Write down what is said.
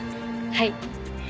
はい。